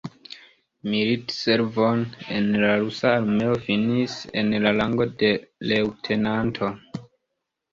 Militservon en la rusa armeo finis en la rango de leŭtenanto.